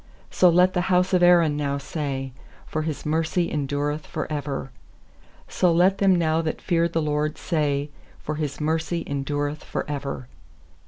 8So let the bouse of Aaron now say, For His mercy endureth for ever. 4So let them now that fear the* LORD say, For His mercy endureth for ever.